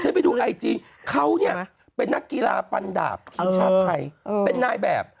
ไปดูไอจีเขาเนี่ยเป็นนักกีฬาฟันดาบทีมชาติไทยเป็นนายแบบ